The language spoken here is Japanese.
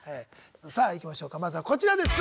さあいきましょうかまずはこちらです。